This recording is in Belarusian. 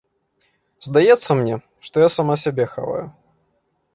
Здаецца мне, што я сама сябе хаваю.